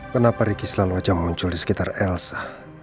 kenapa ricky selalu saja muncul di sekitar elsa